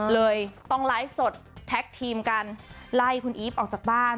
เลยต้องไลฟ์สดแท็กทีมกันไล่คุณอีฟออกจากบ้าน